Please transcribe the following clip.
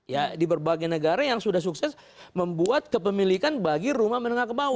ya di berbagai negara yang sudah sukses membuat kepemilikan bagi rumah menengah ke bawah